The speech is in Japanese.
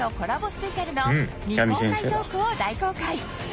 スペシャルの未公開トークを大公開